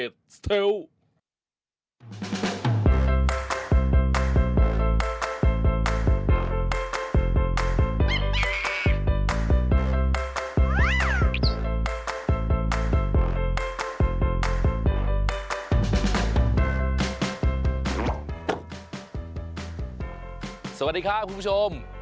สวัสดีครับคุณผู้ชม